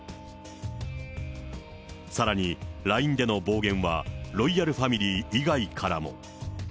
さらに、ＬＩＮＥでの暴言は、ロイヤルファミリー以外からも。